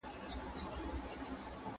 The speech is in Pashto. بغېر لهٔ تا به وي راحـــــــــت نه منـــــم